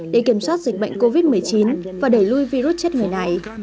để kiểm soát dịch bệnh covid một mươi chín và đẩy lùi virus chết người này